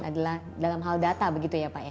adalah dalam hal data begitu ya pak ya